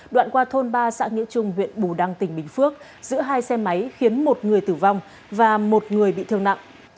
đoạn qua thôn ba xã nghĩa trung huyện bù đăng tỉnh bình phước giữa hai xe máy khiến một người tử vong và một người bị thương nặng